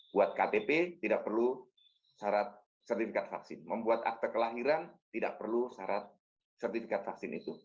buat ktp tidak perlu syarat sertifikat vaksin membuat akte kelahiran tidak perlu syarat sertifikat vaksin itu